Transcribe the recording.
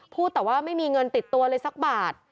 พูดแต่ว่าไม่มีเงินติดตัวเลยสักบาท